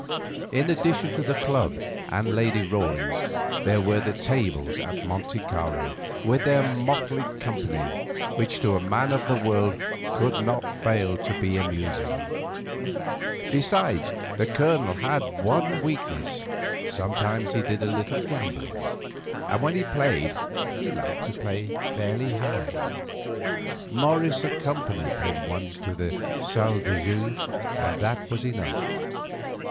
In addition to the club and Lady Rawlins there were the tables at Monte Carlo, with their motley company, which to a man of the world could not fail to be amusing. Besides, the Colonel had one weakness—sometimes he did a little gambling, and when he played he liked to play fairly high. Morris accompanied him once to the "Salles de jeu," and—that was enough.